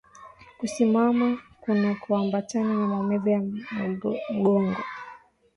Kusimama kunakoambatana na maumivu ya mgongo